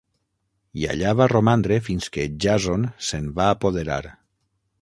I allà va romandre fins que Jàson se'n va apoderar.